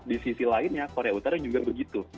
di sisi lainnya korea utara juga begitu